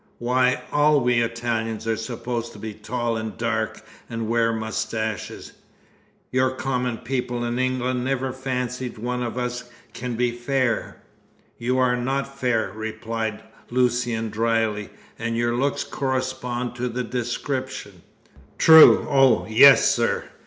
Why, all we Italians are supposed to be tall and dark, and wear moustaches. Your common people in England never fancy one of us can be fair." "You are not fair," replied Lucian drily, "and your looks correspond to the description." "True! Oh, yes, sir!